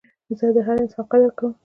زه د هر انسان قدر کوم.